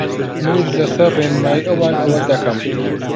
منیش لەسەر ڕێنمایی ئەوان ئەوە دەکەم